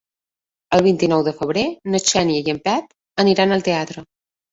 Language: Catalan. El vint-i-nou de febrer na Xènia i en Pep aniran al teatre.